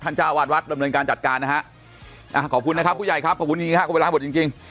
ยืนดีครับยืนดี